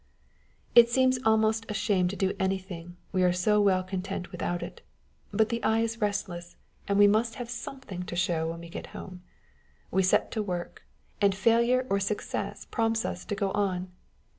It seems almost a shame to do anything, we are so well content without it ; but the eye is restless, and we must On Sitting for Ones Picture. 157 have something to show when we get home. We set to work, and failure or success prompts us to go on.